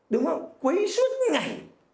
đúng không quấy suốt ngày